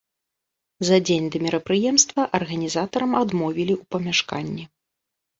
За дзень да мерапрыемства арганізатарам адмовілі ў памяшканні.